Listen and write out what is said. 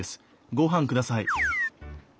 ご飯ください。